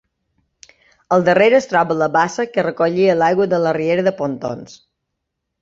Al darrere es troba la bassa que recollia l'aigua de la riera de Pontons.